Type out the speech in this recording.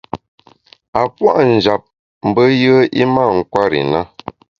A puâ’ njap mbe yùe i mâ nkwer i na.